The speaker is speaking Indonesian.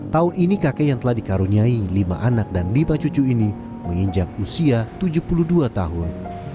tahun ini kakek yang telah dikaruniai lima anak dan lima cucu ini menginjak usia tujuh puluh dua tahun